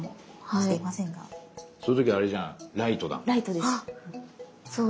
そういう時あれじゃんライトだ。